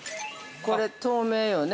これ透明よね？